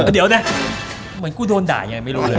เดี๋ยวนะเหมือนกูโดนด่ายังไงไม่รู้เลย